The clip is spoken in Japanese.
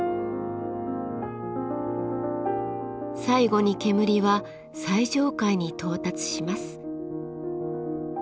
最後に煙は最上階に到達します。